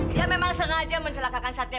dia memang sengaja mencelakakan satnya